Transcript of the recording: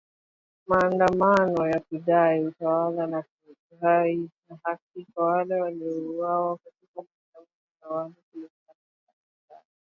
maandamano ya kudai utawala wa kiraia na haki kwa wale waliouawa katika maandamano ya awali kulingana na madaktari